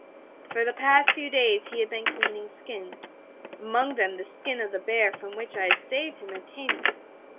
For the past few days he had been cleaning skins, among them the skin of the bear from which I had saved him at Taimur.